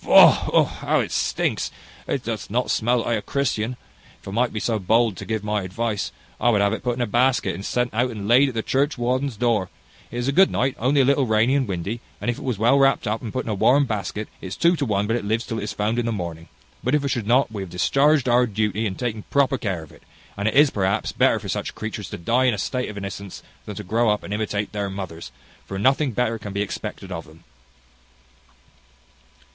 Faugh! how it stinks! It doth not smell like a Christian. If I might be so bold to give my advice, I would have it put in a basket, and sent out and laid at the churchwarden's door. It is a good night, only a little rainy and windy; and if it was well wrapt up, and put in a warm basket, it is two to one but it lives till it is found in the morning. But if it should not, we have discharged our duty in taking proper care of it; and it is, perhaps, better for such creatures to die in a state of innocence, than to grow up and imitate their mothers; for nothing better can be expected of them."